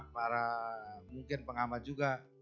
para mungkin pengamat juga